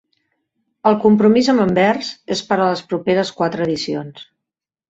El compromís amb Anvers és per a les properes quatre edicions.